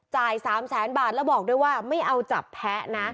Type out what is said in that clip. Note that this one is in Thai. ๓แสนบาทแล้วบอกด้วยว่าไม่เอาจับแพ้นะ